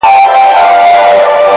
چي ته بېلېږې له خپل كوره څخه!!